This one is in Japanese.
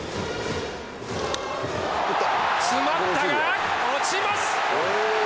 つまったが落ちます。